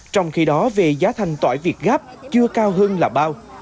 trong khi đó về giá thành tỏi việt gáp chưa cao hơn là bao